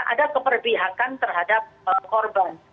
ada keperbihakan terhadap korban